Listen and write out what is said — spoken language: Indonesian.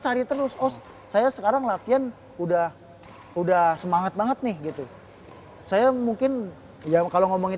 cari terus oh saya sekarang latihan udah udah semangat banget nih gitu saya mungkin ya kalau ngomongin